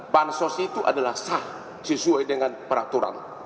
bansos itu adalah sah sesuai dengan peraturan